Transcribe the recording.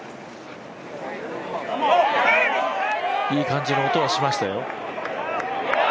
いい感じの音はしましたよ。